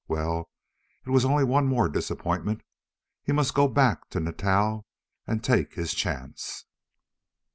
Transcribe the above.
Well, it was only one more disappointment; he must go back to Natal and take his chance.